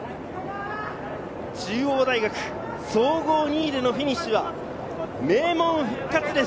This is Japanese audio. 中央大学、総合２位でのフィニッシュは名門復活です。